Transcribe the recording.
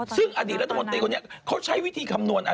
ซึ่งอดีตรัฐมนตรีคนนี้เขาใช้วิธีคำนวณอะไร